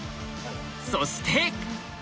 そして！